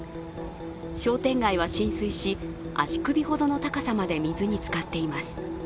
商店街は浸水し、足首ほどの高さまで水につかっています。